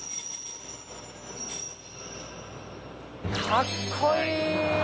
かっこいいー！